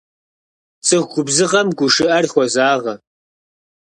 ЦӀыху губзыгъэм гушыӀэр хозагъэ.